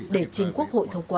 để chính quốc hội thông qua